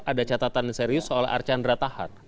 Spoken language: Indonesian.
ada catatan serius soal archandra tahar